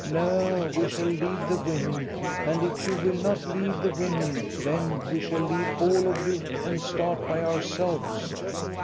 No, we shall leave the women, and if you will not leave the women, then we shall leave all of you and start by ourselves."